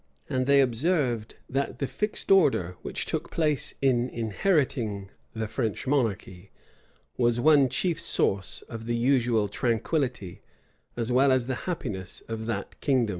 And they observed, that the fixed order which took place in inheriting the French monarchy, was one chief source of the usual tranquillity, as well as of the happiness, of that kingdom.